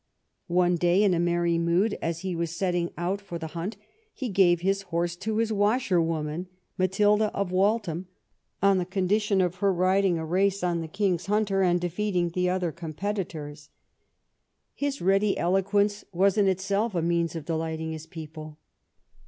One day in a merry mood, as he was setting out for the hunt, he gave his horse to his washerwoman, Matilda of Waltham, on the condition of her riding a race on the king's hunter and defeating the other com petitors. His ready eloquence was in itself a means of delighting his people.